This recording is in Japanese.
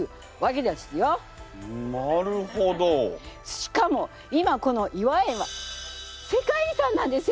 しかも今この頤和園は世界遺産なんですよ